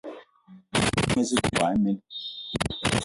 Mëkudgë mezig, mboigi imen